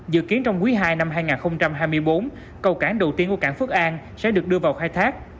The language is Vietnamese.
dự kiến trong quý ii năm hai nghìn hai mươi bốn cầu cảng đầu tiên của cảng phước an sẽ được đưa vào khai thác